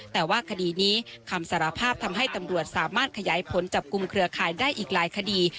แต่ว่าคดีนี้คำสารภาพทำให้ตำรวจสามารถขยายผลจับกลุ่มเครือข่ายได้อีกหลายคดี